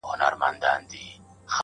عبادت د ژوند مقصد دی